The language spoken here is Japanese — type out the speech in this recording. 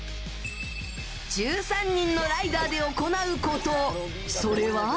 １３人のライダーで行うことそれは。